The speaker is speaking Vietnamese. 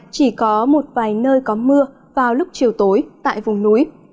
chỉ có một vài nơi có mưa vào lúc chiều tối tại vùng núi